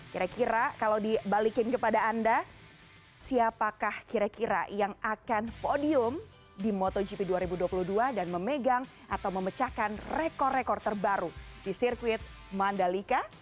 kira kira kalau dibalikin kepada anda siapakah kira kira yang akan podium di motogp dua ribu dua puluh dua dan memegang atau memecahkan rekor rekor terbaru di sirkuit mandalika